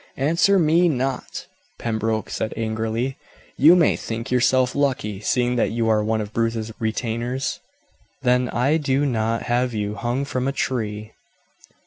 "Answer me not," Pembroke said angrily. "You may think yourself lucky, seeing that you are one of Bruce's retainers, that I do not have you hung from a tree.